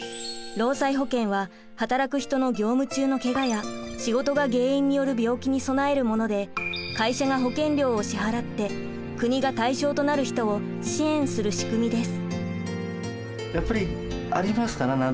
労災保険は働く人の業務中のケガや仕事が原因による病気に備えるもので会社が保険料を支払って国が対象となる人を支援する仕組みです。